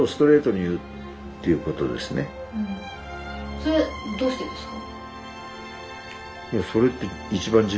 それはどうしてですか？